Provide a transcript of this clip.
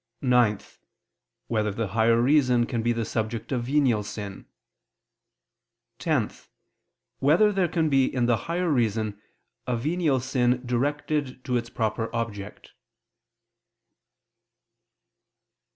(9) Whether the higher reason can be the subject of venial sin? (10) Whether there can be in the higher reason a venial sin directed to its proper object?